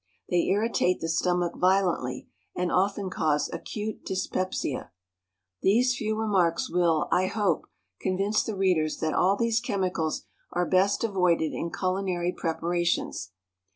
They irritate the stomach violently, and often cause acute dyspepsia. These few remarks will, I hope, convince the readers that all these chemicals are best avoided in culinary preparations.